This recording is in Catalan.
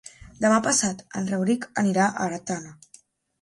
Demà passat en Rauric anirà a Artana.